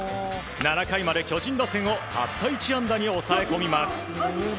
７回まで巨人打線をたった１安打に抑え込みます。